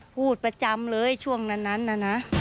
พูดประจำเลยช่วงนั้นน่ะนะ